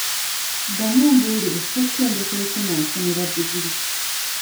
Ddamu ombuulire ssettendekero ki mwe wafunira ddiguli?